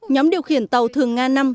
nhóm điều khiển tàu thường nga năm